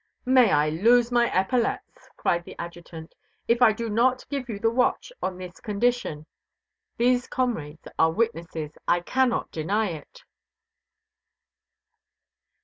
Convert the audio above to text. "May I lose my epaulettes," cried the Adjutant, "if I do not give you the watch on this condition. These comrades are witnesses; I can not deny it."